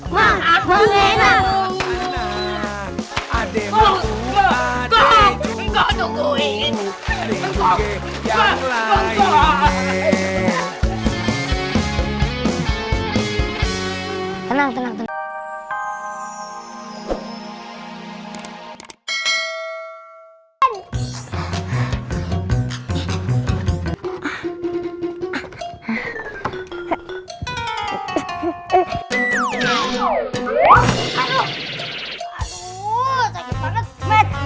sampai jumpa di video selanjutnya